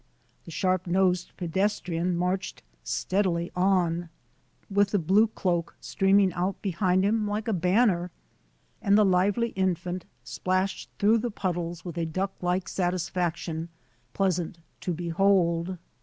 The sharp nosed pedestrian marched steadily on, with the blue cloak stream ing out behind him like a banner; and the lively infant splashed through the puddles with a duck like satisfaction pleasant to behold.